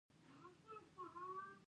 د بغلان په نهرین کې د ډبرو سکاره شته.